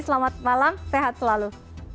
selamat malam sehat selalu